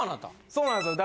そうなんですよ。